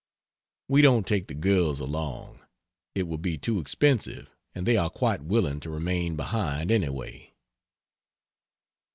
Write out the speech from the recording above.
We don't take the girls along; it would be too expensive and they are quite willing to remain behind anyway.